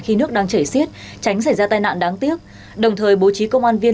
khi nước đang chảy xiết tránh xảy ra tai nạn đáng tiếc đồng thời bố trí công an viên